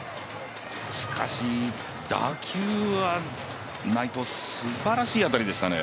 しかし、打球は内藤、すばらしい当たりでしたね。